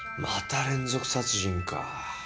また連続殺人か。